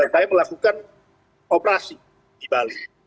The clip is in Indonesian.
saya melakukan operasi di bali